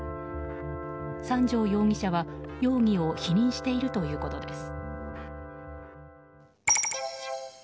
三條容疑者は容疑を否認しているということです。